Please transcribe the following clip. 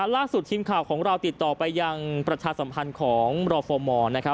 ล่าสุดทีมข่าวของเราติดต่อไปยังประชาสัมพันธ์ของรฟม